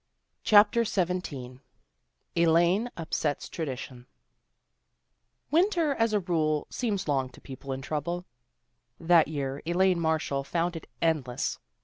CHAPTER XVII ELAINE UPSETS TRADITION WINTER as a rule seems long to people in trouble. That year Elaine Marshall found it endless.